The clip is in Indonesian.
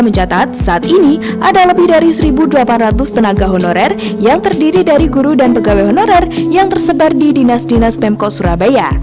mencatat saat ini ada lebih dari satu delapan ratus tenaga honorer yang terdiri dari guru dan pegawai honorer yang tersebar di dinas dinas pemko surabaya